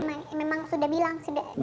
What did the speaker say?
memang sudah bilang